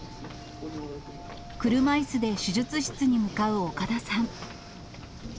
車いすで手術室に向かう岡田さん。